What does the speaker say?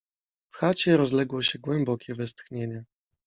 W chacie rozległo się głębokie westchnienie.